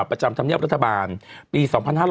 ประจำธรรมยัพย์รัฐบาลปี๒๕๖๓